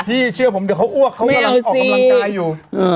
พี่เชื่อผมเดี๋ยวเขาอ้วกเขาออกกำลังกายอยู่